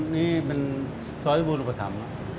นี่เป็นซีรีบูนอุปกรรม